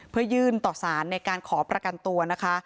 เพื่อยื่นต่อสารในการขอประกันตัวนะคะ